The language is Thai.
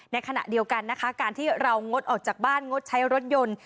ในขณะเดียวกันนะคะการที่เรางดออกจากบ้านงดใช้รถยนต์